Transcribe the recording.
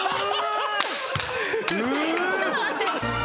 ちょっと待って。